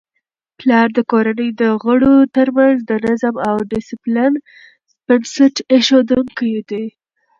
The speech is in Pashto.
پلار د کورنی د غړو ترمنځ د نظم او ډیسپلین بنسټ ایښودونکی دی.